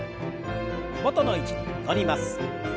元の位置に戻ります。